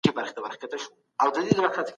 د هيواد پولو ته به نوي او مجهز سرتېري واستول سي.